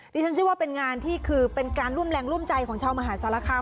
ที่ฉันเชื่อว่าเป็นงานที่คือเป็นการร่วมแรงร่วมใจของชาวมหาสารคาม